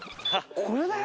これだよ。